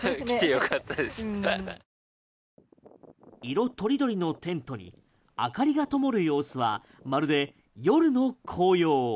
色とりどりのテントに明かりがともる様子はまるで夜の紅葉。